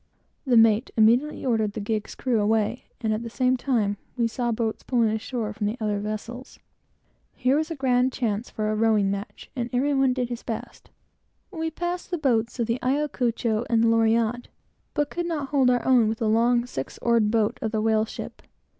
The mate immediately ordered the gig's crew away, and at the same time, we saw boats pulling ashore from the other vessels. Here was a grand chance for a rowing match, and every one did his best. We passed the boats of the Ayacucho and Loriotte, but could gain nothing upon, and indeed, hardly hold our own with, the long, six oared boat of the whale ship.